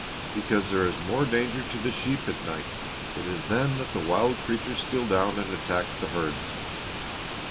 "Because there is more danger to the sheep at night. It is then that the wild creatures steal down and attack the herds."